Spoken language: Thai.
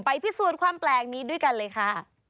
พิสูจน์ความแปลกนี้ด้วยกันเลยค่ะ